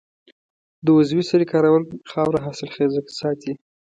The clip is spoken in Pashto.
د عضوي سرې کارول خاوره حاصلخیزه ساتي.